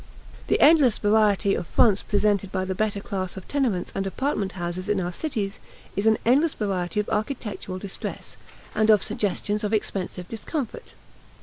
The endless variety of fronts presented by the better class of tenements and apartment houses in our cities is an endless variety of architectural distress and of suggestions of expensive discomfort.